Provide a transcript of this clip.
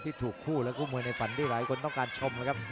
ที่ถูกคู่และคู่มวยในฝันที่หลายคนต้องการชมนะครับ